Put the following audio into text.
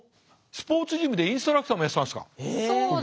スポーツジムでインストラクターもやってたんですか。